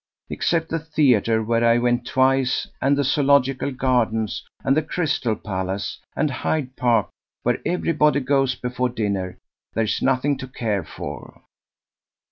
Except the theatre, where I went twice, and the Zoological Gardens and the Crystal Palace, and Hyde Park, where everybody goes before dinner, there's nothing to care for."